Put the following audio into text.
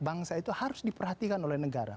bangsa itu harus diperhatikan oleh negara